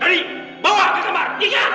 nanti bawa ke kamar